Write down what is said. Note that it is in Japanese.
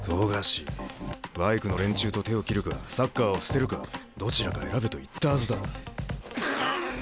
バイクの連中と手を切るかサッカーを捨てるかどちらか選べと言ったはずだ。